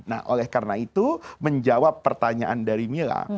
nah oleh karena itu menjawab pertanyaan dari mila